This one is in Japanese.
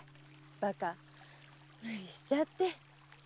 バカ無理しちゃって。